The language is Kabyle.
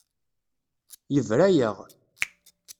Yebra-yaɣ.